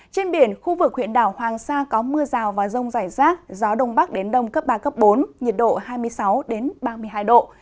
trên biển khu vực huyện đảo hoàng sa có mưa rào và rông rải rác gió đông bắc đến đông cấp ba bốn nhiệt độ hai mươi sáu ba mươi hai độ